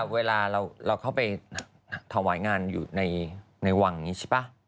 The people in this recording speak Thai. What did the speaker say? เวลาเราเข้าไปทำวายงานอยู่ในวังใช่ป่ะ